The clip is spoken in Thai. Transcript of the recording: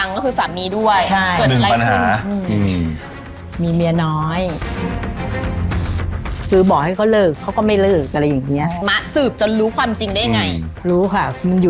ก็คือเรื่องของบางคือสามีด้วย